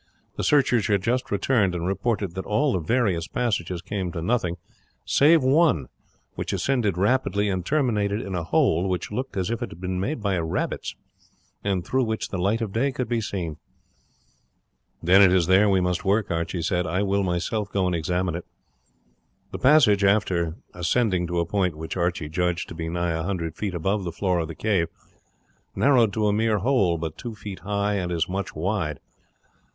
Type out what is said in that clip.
The searchers had just returned and reported that all the various passages came to nothing, save one, which ascended rapidly and terminated in a hole which looked as if it had been made by rabbits, and through which the light of day could be seen. "Then it is there we must work," Archie said. "I will myself go and examine it." The passage, after ascending to a point which Archie judged to be nigh a hundred feet above the floor of the cave, narrowed to a mere hole, but two feet high and as much wide.